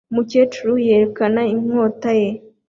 Umukecuru yerekana inkota ye